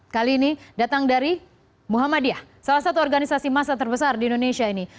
kali ini datang dari muhammadiyah salah satu organisasi massa terbesar di indonesia ini